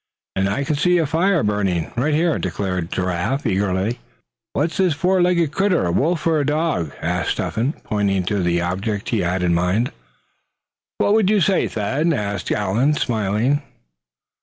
"And I can see a fire burning, right here," declared Giraffe, eagerly. "What's this four legged critter, a wolf or a dog?" asked Step hen, pointing to the object he had in mind. "What would you say, Thad?" asked Allan, smiling.